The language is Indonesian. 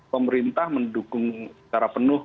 pemerintah mendukung secara penuh